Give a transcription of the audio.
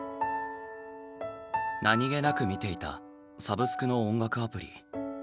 何気なく見ていたサブスクの音楽アプリ